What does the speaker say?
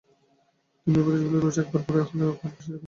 তুমি এই উপদেশগুলি রোজ একবার করে পড়বে এবং সেই রকম কাজ করবে।